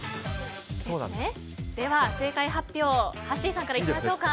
では正解発表をはっしーさんからいきましょうか。